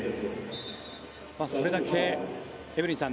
それだけエブリンさん